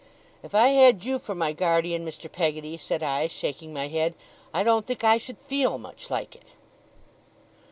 'If I had you for my guardian, Mr. Peggotty,' said I, shaking my head, 'I don't think I should FEEL much like it.